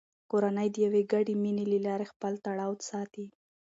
کورنۍ د یوې ګډې مینې له لارې خپل تړاو ساتي